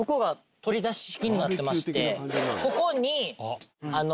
ここに。